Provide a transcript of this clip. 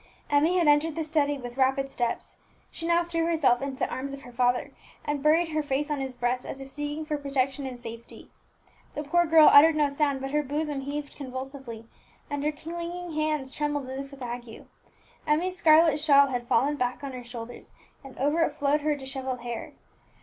Emmie had entered the study with rapid steps; she now threw herself into the arms of her father, and buried her face on his breast, as if seeking for protection and safety. The poor girl uttered no sound, but her bosom heaved convulsively, and her clinging hands trembled as if with ague. Emmie's scarlet shawl had fallen back on her shoulders, and over it flowed her dishevelled hair.